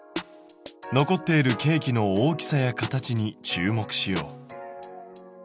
残っているケーキの大きさや形に注目しよう。